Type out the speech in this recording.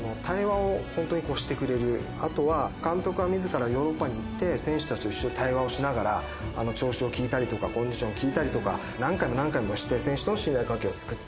後は監督が自らヨーロッパに行って選手たちと一緒に対話をしながら調子を聞いたりとかコンディションを聞いたりとか何回も何回もして選手との信頼関係をつくって。